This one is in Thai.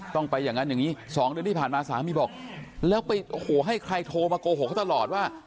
ต้องไปอย่างนั้นอย่างนี้๒เดือนที่ผ่านมาสามีบอกแล้วไปโอ้โหให้ใครโทรมาโกหกเขาตลอดว่า